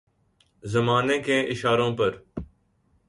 زمانے کے اشاروں پر